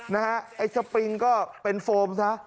ไอ้สปริงก็เป็นโฟมซะ